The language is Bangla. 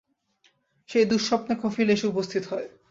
সেই দুঃস্বপ্নে কফিল এসে উপস্থিত হয়।